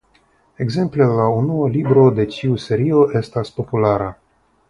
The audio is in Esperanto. Ekzemple la unua libro de tiu serio estas populara.